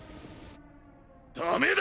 ダメだ！